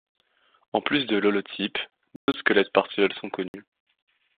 En plus de l'holotype, deux autres squelettes partiels sont connus.